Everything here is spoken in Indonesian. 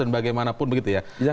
dan bagaimanapun begitu ya